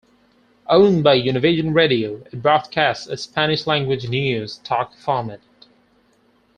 Owned by Univision Radio, it broadcasts a Spanish-language news talk format.